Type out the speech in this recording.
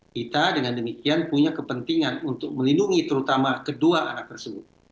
kita dengan demikian punya kepentingan untuk melindungi terutama kedua anak tersebut